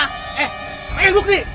eh main bukti